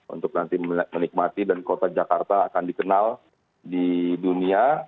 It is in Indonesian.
untuk nanti menikmati dan kota jakarta akan dikenal di dunia